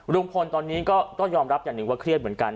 ลุงพลตอนนี้ก็ต้องยอมรับอย่างหนึ่งว่าเครียดเหมือนกัน